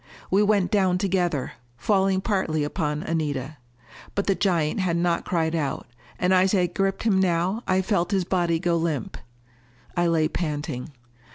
We went down together, falling partly upon Anita. But the giant had not cried out, and as I gripped him now, I felt his body go limp. I lay panting.